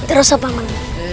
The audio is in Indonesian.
terus apa mak